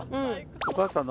お母さんの。